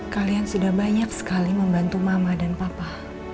kalian sudah banyak sekali membantu mama dan papa